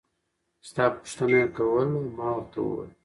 ستا پوښتنه يې کوله ما ورته وويل.